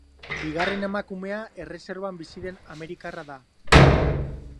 Bigarren emakumea erreserban bizi den amerikarra da.